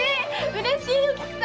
うれしいよ菊様！